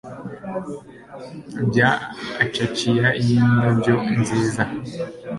bya acacia yindabyo nziza